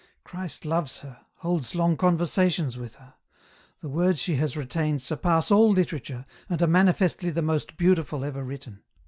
Christ loves her, holds long conversations with her ; the words she has retained surpass all literature, and are manifestly the most beautiful ever written.